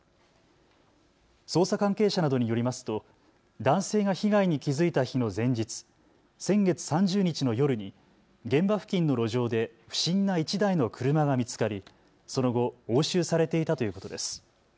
捜査関係者などによりますと男性が被害に気付いた日の前日、先月３０日の夜に現場付近の路上で不審な１台の車が見つかりその後押収されていたということです。